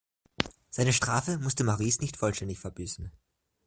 Seine Strafe musste Maurice nicht vollständig verbüßen.